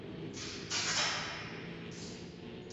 El segundo está compuesto de cantos de consuelo y lamentación.